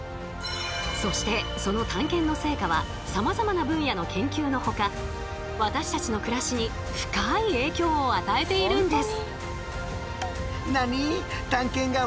そしてその探検の成果はさまざまな分野の研究のほか私たちの暮らしに深い影響を与えているんです。